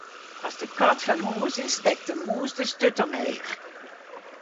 As de kat fan hûs is, stekt de mûs de sturt omheech.